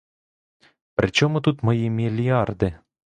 При чому тут мої мільярди?